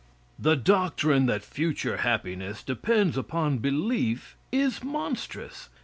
The doctrine that future happiness depends upon belief is monstrous.